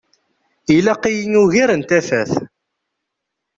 Ilaq-iyi ugar n tafat.